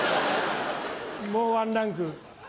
もうワンランク。